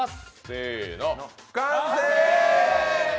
せーの、完成！